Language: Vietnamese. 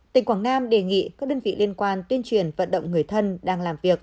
tỉnh quảng nam đề nghị các đơn vị liên quan tuyên truyền vận động người thân đang làm việc